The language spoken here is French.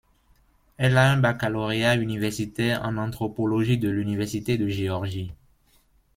Elle a un baccalauréat universitaire en anthropologie de l'Université de Géorgie.